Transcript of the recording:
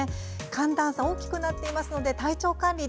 寒暖差が大きくなっていますのでどうぞ体調管理